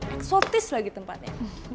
eksotis lagi tempatnya